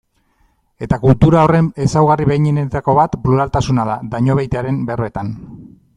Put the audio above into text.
Eta kultura horren ezaugarri behinenetako bat pluraltasuna da, Dañobeitiaren berbetan.